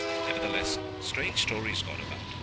Nevertheless, strange stories got about.